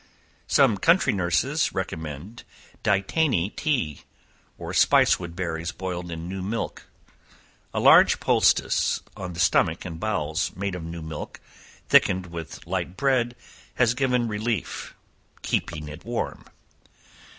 Some country nurses recommend dittany tea, or spice wood berries boiled in new milk. A large poultice on the stomach and bowels, made of new milk, thickened with light bread, has given relief keeping it warm.